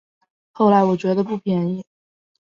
后来我觉得不便宜